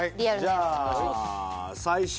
じゃあ最初。